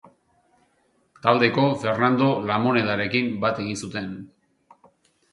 Taldeko Fernando Lamonedarekin bat egin zuten.